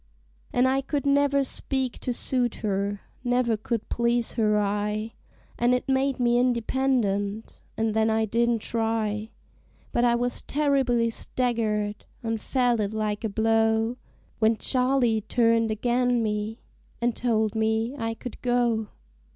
An' I could never speak to suit her, never could please her eye, An' it made me independent, an' then I didn't try; But I was terribly staggered, an' felt it like a blow, When Charley turned ag'in me, an' told me I could go.